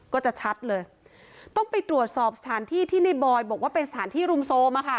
ก็จะชัดเลยต้องไปตรวจสอบสถานที่ที่ในบอยบอกว่าเป็นสถานที่รุมโทรม